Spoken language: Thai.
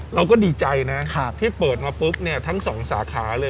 เราก็ดีใจนะที่เปิดมาปุ๊บเนี่ยทั้งสองสาขาเลย